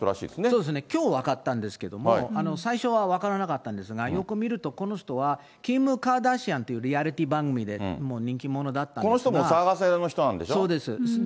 そうですね、きょう分かったんですけど、最初は分からなかったんですが、よく見るとこの人はキム・カーダシアンというリアリティー番組でこの人もお騒がせの人なんでそうです。